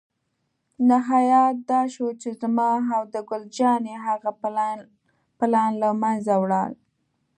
نهایت دا شو چې زما او د ګل جانې هغه پلان له منځه ولاړ.